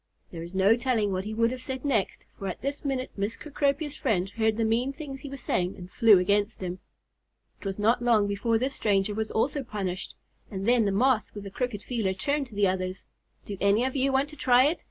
There is no telling what he would have said next, for at this minute Miss Cecropia's friend heard the mean things he was saying, and flew against him. It was not long before this stranger also was punished, and then the Moth with the crooked feeler turned to the others. "Do any of you want to try it?"